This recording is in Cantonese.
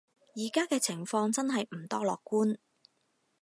而家嘅情況真係唔多樂觀